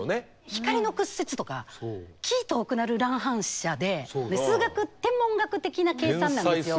光の屈折とか気ぃ遠くなる乱反射で数学天文学的な計算なんですよ。